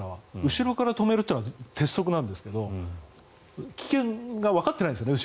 後ろから止めるというのが鉄則なんですけど危険がわかってないんですよね